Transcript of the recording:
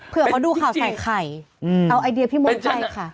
เผื่อเขาดูข่าวใส่ไข่เอาไอเดียพี่มุมไปค่ะเป็นจริง